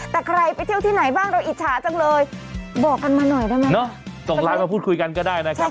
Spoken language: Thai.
แต่ใครไปเที่ยวที่ไหนบ้างเราอิจฉาจังเลยบอกกันมาหน่อยได้ไหมเนาะส่งไลน์มาพูดคุยกันก็ได้นะครับ